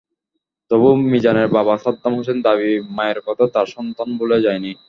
তবু মিজানের বাবা সাদ্দাম হোসেনের দাবি, মায়ের কথা তার সন্তান ভুলে যায়নি।